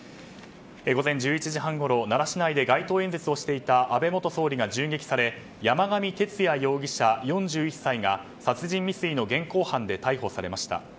午前１１時半ごろ、奈良市内で街頭演説をしていた安倍元総理が銃撃され山上徹也容疑者、４１歳が殺人未遂の現行犯で逮捕されました。